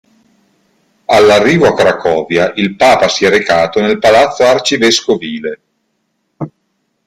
All'arrivo a Cracovia il Papa si è recato nel Palazzo Arcivescovile.